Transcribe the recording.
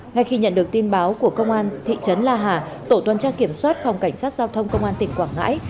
ngay khi nhận được tin báo của công an thị trấn la hà tổ tuần tra kiểm soát phòng cảnh sát giao thông công an tỉnh quảng ngãi